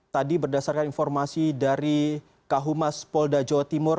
tadi berdasarkan informasi dari kak humas polda jawa timur